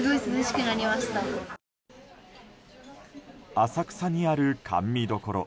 浅草にある甘味処。